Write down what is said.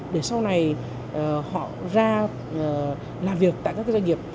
để sau này họ ra làm việc tại các doanh nghiệp